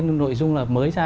ngoài cái nội dung là mới ra